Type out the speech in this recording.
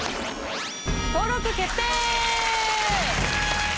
登録決定！